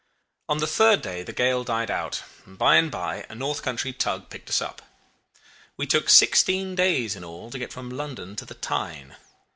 "On the third day the gale died out, and by and by a north country tug picked us up. We took sixteen days in all to get from London to the Tyne!